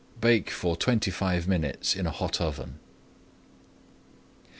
Bake for twenty five minutes in a hot oven.